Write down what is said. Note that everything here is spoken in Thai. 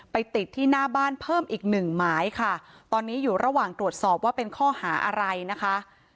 ติดที่หน้าบ้านเพิ่มอีกหนึ่งหมายค่ะตอนนี้อยู่ระหว่างตรวจสอบว่าเป็นข้อหาอะไรนะคะ